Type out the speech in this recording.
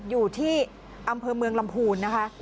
อยู่ที่อำเภอเมืองลำพูนนะคะ